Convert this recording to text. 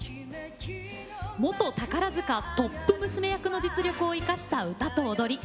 元宝塚トップ娘役の実力を生かした歌と踊り。